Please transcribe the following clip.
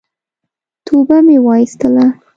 توبه مي واېستله !